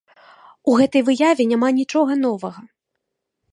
У гэтай выяве няма нічога новага.